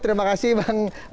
terima kasih bang